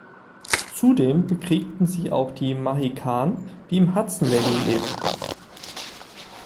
Zudem bekriegten sie auch die Mahican, die im Hudson Valley lebten.